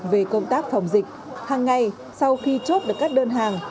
về công tác phòng dịch hàng ngày sau khi chốt được các đơn hàng